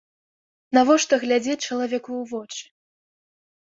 Навошта глядзець чалавеку ў вочы?